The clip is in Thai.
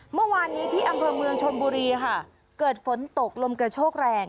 เมื่อวานนี้ที่อำเภอเมืองชนบุรีค่ะเกิดฝนตกลมกระโชกแรง